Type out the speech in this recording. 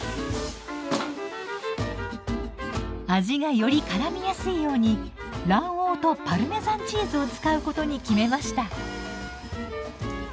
味がよりからみやすいように卵黄とパルメザンチーズを使うことに決めました。